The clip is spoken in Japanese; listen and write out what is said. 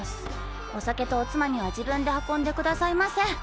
お酒とおつまみは自分で運んでくださいませ。